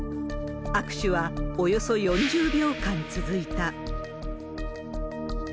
握手はおよそ４０秒間続いた。